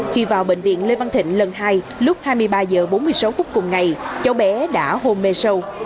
khi vào bệnh viện lê văn thịnh lần hai lúc hai mươi ba h bốn mươi sáu phút cùng ngày cháu bé đã hôn mê sâu